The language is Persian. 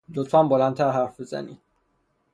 لطفا بلندتر حرف بزنید.